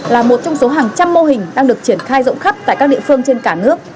là một trong số hàng trăm mô hình đang được triển khai rộng khắp tại các địa phương trên cả nước